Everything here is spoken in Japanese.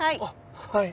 はい。